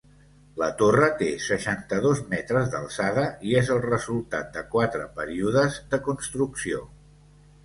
La torre té seixanta-dos metres d'alçada i és el resultat de quatre períodes de construcció.